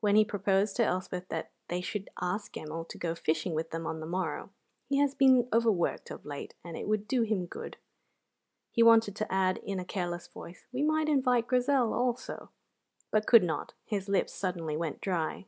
When he proposed to Elspeth that they should ask Gemmell to go fishing with them on the morrow ("He has been overworked of late and it would do him good") he wanted to add, in a careless voice, "We might invite Grizel also," but could not; his lips suddenly went dry.